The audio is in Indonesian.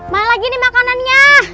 malah gini makanannya